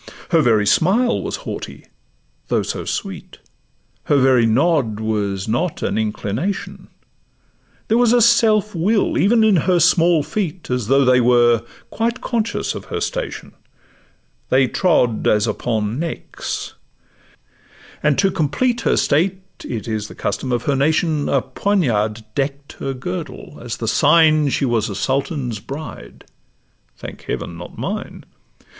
Her very smile was haughty, though so sweet; Her very nod was not an inclination; There was a self will even in her small feet, As though they were quite conscious of her station— They trod as upon necks; and to complete Her state (it is the custom of her nation), A poniard deck'd her girdle, as the sign She was a sultan's bride (thank Heaven, not mine!).